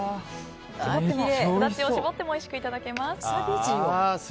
スダチを搾ってもおいしくいただけます。